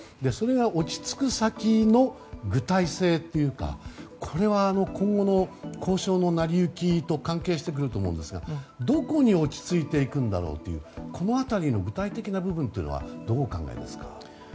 それが落ち着く先の具体性というかこれは今後の交渉の成り行きと関係してくると思うんですがどこに落ち着いていくんだろうというこの辺りの具体的な部分はどうお考えですか。